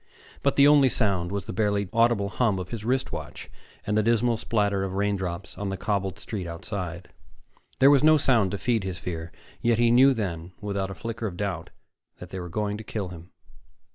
But the only sound was the barely audible hum of his wrist watch and the dismal splatter of raindrops on the cobbled street outside. There was no sound to feed his fear, yet he knew then, without a flicker of doubt, that they were going to kill him.